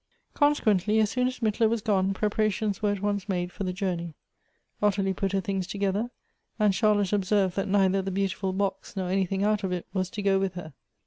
Consequently as soon as Mittler was gone, preparations were at once made for the journey. Ottilie put her things together; and Charlotte observed that neither the beau tiful box, nor anything out of it, was to go with her.